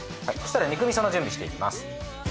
そしたら肉みその準備していきます。